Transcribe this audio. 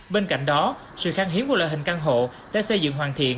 bên cạnh đó sự kháng hiếm của loại hình căn hộ đã xây dựng hoàn thiện